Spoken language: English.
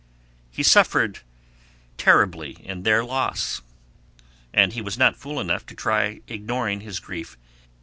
He suffered terribly in their loss, and he was not fool enough to try ignoring his grief.